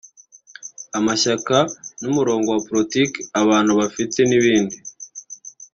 amashyaka n’umurongo wa politiki abantu bafite n’ibindi